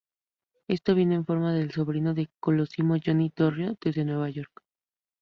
Esto vino en forma del sobrino de Colosimo Johnny Torrio desde Nueva York.